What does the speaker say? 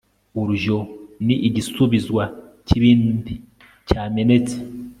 urujyo ni igisubizwa cy'ibindi cyamenetse